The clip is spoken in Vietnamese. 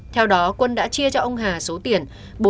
theo đó quân đã chia cho ông hà số tiền